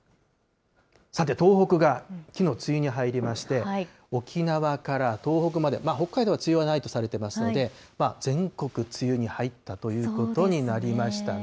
さて、東北がきのう、梅雨に入りまして、沖縄から東北まで、北海道は梅雨はないとされていますので、全国、梅雨に入ったということになりましたね。